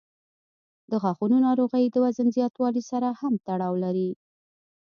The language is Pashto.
د غاښونو ناروغۍ د وزن زیاتوالي سره هم تړاو لري.